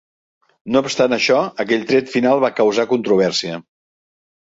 No obstant això, aquell tret final va causar controvèrsia.